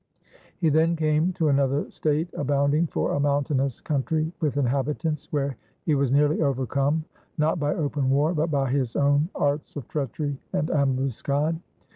He then came to another state, abounding, for a mountainous country, with inhabitants; where he was nearly overcome, not by open war, but by his own arts of treachery and ambuscade.